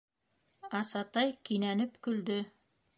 — Асатай кинәнеп көлдө.